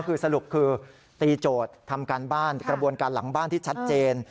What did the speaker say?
คือสรุปคือตีโจทย์ทำการบ้านกระบวนการหลังบ้านที่ชัดเจน